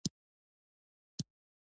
د اتومي نمبر بدلون مومي .